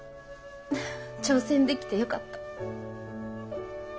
挑戦できてよかった。